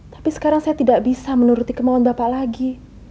tapi sekarang saya tidak bisa menuruti kemauan bapak lagi